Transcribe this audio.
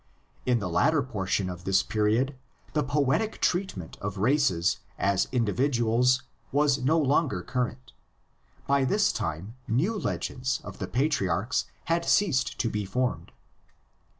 V In the later portion of this period the poetic treatment of races as individuals was no longer current: by this time new legends of the patriarchs had ceased to be formed.